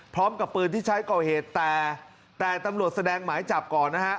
พร้อมกับปืนที่ใช้ก่อเหตุแต่แต่ตำรวจแสดงหมายจับก่อนนะฮะ